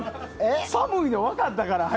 寒いの、わかったからはよ